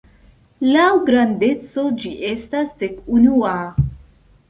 Laŭ grandeco ĝi estas dek-unua.